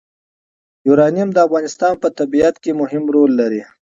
یورانیم د افغانستان په طبیعت کې مهم رول لري.